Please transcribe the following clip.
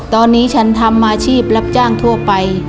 ตอนนี้ฉันทำอาชีพรับจ้างทั่วไป